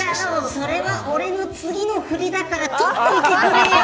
それは俺の次の振りだから取っておいてくれよ。